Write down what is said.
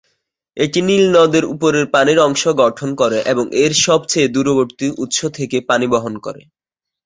এটি নীল নদের উপরের পানির অংশ গঠন করে এবং এর সবচেয়ে দূরবর্তী উৎস থেকে পানি বহন করে।